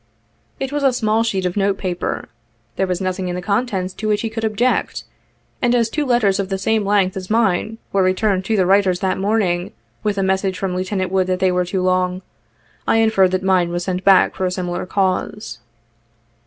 It was a small sheet of note paper. There was nothing in the contents to which he could object, and as two letters of the same length as mine, were returned to the writers that morning, with a message from Lieut. Wood that they were too long, I inferred that mine was sent back for a similar cause.